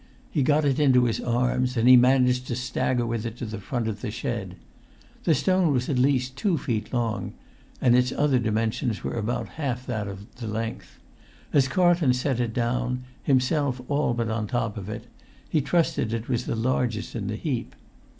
He got it in his arms, and he managed to stagger with it to the front of the shed. The stone was at least two feet long, and its other dimensions were about half that of the length; as Carlton set it down, himself all but on the top of it, he trusted it was the largest size in the heap.